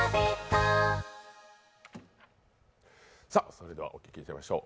それではお聴きいただきましょう。